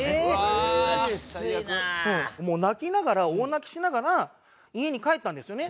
泣きながら大泣きしながら家に帰ったんですよね。